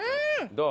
どう？